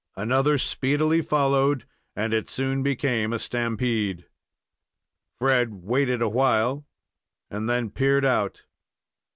Another speedily followed, and it soon became a stampede. Fred waited awhile, and then peered out.